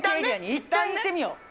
いったん行ってみよう。